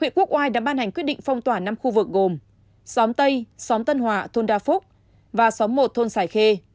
huyện quốc oai đã ban hành quyết định phong tỏa năm khu vực gồm xóm tây xóm tân hòa thôn đa phúc và xóm một thôn xài khê